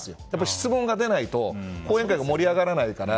質問が出ないと講演会が盛り上がらないから。